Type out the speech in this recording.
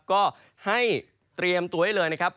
ก็ให้เตรียมตัวไว้เลยนะครับ